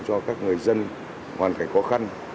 cho các người dân hoàn cảnh khó khăn